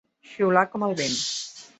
Xiular com el vent.